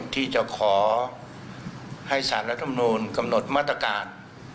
ที่จะขอให้สารรัฐมนูลกำหนดมาตรการ